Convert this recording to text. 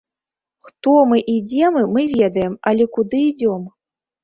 Хто мы і дзе мы, мы ведаем, але куды ідзём?